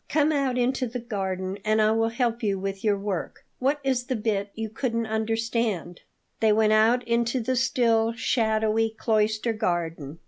Come out into the garden, and I will help you with your work. What is the bit you couldn't understand?" They went out into the still, shadowy cloister garden.